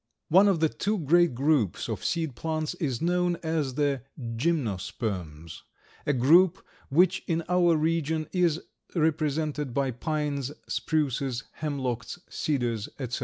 One of the two great groups of seed plants is known as the Gymnosperms, a group which in our region is represented by pines, spruces, hemlocks, cedars, etc.